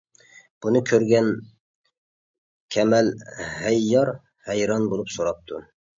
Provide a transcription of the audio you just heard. بۇنى كۆرگەن كەمەك ھەييار ھەيران بولۇپ سوراپتۇ.